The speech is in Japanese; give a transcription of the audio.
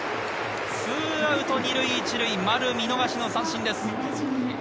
２アウト２塁１塁、丸、見逃しの三振です。